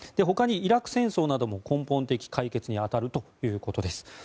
他にイラク戦争なども根本的解決に当たるということです。